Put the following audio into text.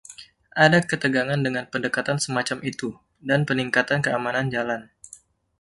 Ada ketegangan dengan pendekatan semacam itu dan peningkatan keamanan jalan.